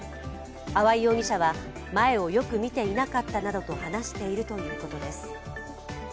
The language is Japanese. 粟井容疑者は、前をよく見ていなかったなどと話しているということです。